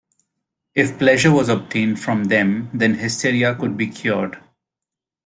If pleasure was obtained from them then hysteria could be cured.